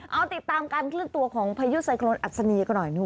เอาติดตามการขึ้นตัวของพยุดไซโคนอัศนีก่อนหน่อย